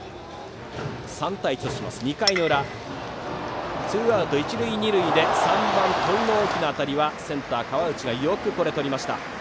３対１としまして、２回裏ツーアウト一塁二塁で３番、戸井の大きな当たりはセンター河内がよくとりました。